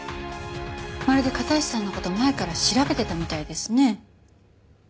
まるで片石さんの事前から調べてたみたいですね。